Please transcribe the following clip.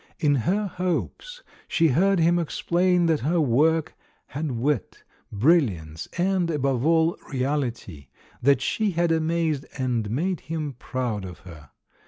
In her hopes she heard him exclaim that her work had wit, brilhance, and, above all, reality — that she had amazed and made him proud of her.